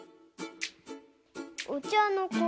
お茶の子